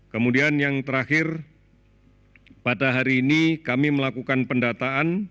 kemudian yang terakhir pada hari ini kami melakukan pendataan